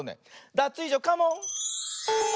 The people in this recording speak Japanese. ダツイージョカモン！